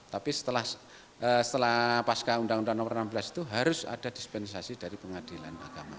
tapi setelah pasca undang undang nomor enam belas itu harus ada dispensasi dari pengadilan agama